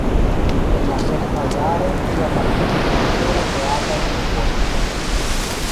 En la sekvaj jaroj li apartenis al pluraj teatraj trupoj.